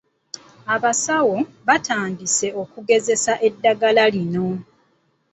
Abasawo batandise okugezesa eddagala lino.